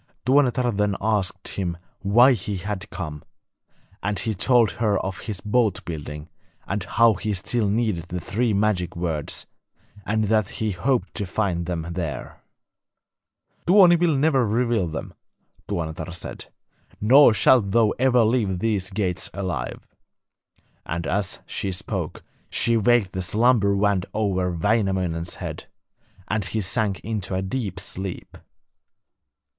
Tuonetar then asked him why he had come, and he told her of his boat building, and how he still needed the three magic words, and that he hoped to find them there. 'Tuoni will never reveal them,' Tuonetar said; 'nor shalt thou ever leave these gates alive;' and as she spoke she waved the slumber wand over Wainamoinen's head, and he sank into a deep sleep.